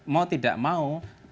mau tidak mau